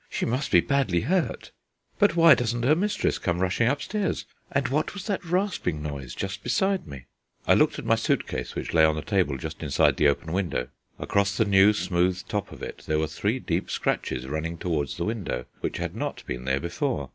She must be badly hurt! But why doesn't her mistress come rushing upstairs? and what was that rasping noise just beside me?" I looked at my suit case, which lay on the table just inside the open window. Across the new smooth top of it there were three deep scratches running towards the window, which had not been there before.